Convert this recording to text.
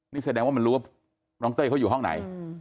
นี่แสดงว่ามันรู้ว่าน้องเต้ยเขาอยู่ห้องไหน